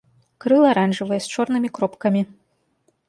Крылы аранжавыя з чорнымі кропкамі.